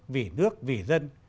vì nước vì dân